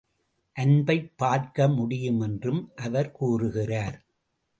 அன்பைப் பார்க்க முடியும் என்றும் அவர் கூறுகிறார்.